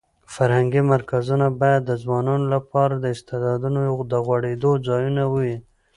فرهنګي مرکزونه باید د ځوانانو لپاره د استعدادونو د غوړېدو ځایونه وي.